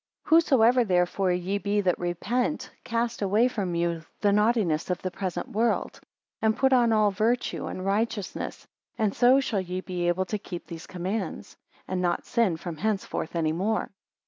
5 Whosoever therefore ye be that repent, cast away from you the naughtiness of the present world; and put on all virtue, and righteousness, and so shall ye be able to keep these commands; and not sin from henceforth any more.